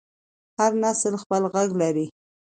هر نسل خپل غږ لري